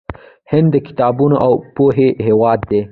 هند د کتابونو او پوهې هیواد دی.